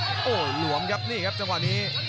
โอ้โหหลวมครับนี่ครับจังหวะนี้